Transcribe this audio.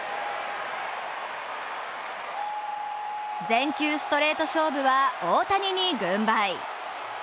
全球ストレート勝負は大谷に軍配。